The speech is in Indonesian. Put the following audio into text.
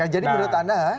jadi menurut anda